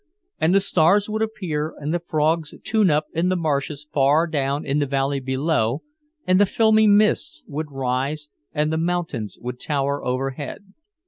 And the stars would appear and the frogs tune up in the marshes far down in the valley below, and the filmy mists would rise and the mountains would tower overhead.